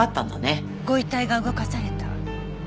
ご遺体が動かされた。